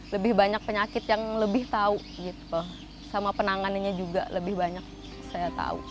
lebih banyak penyakit yang lebih tahu gitu sama penanganannya juga lebih banyak saya tahu